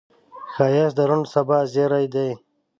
ښایست د روڼ سبا زیری دی